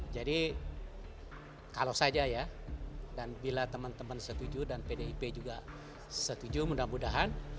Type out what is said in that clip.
jadi kalau saja ya dan bila teman teman setuju dan pdip juga setuju mudah mudahan